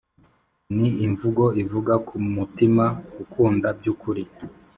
Ni imvugo ivuye ku mutima ukunda by'ukuri.